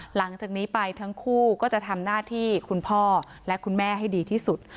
หลังจากนี้ไปทั้งคู่ก็จะทำหน้าที่คุณพ่อและคุณแม่ให้ดีที่สุด